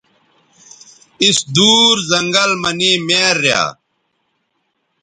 اِس دُور زنگل مہ نے میار ریا